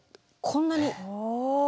こんなに。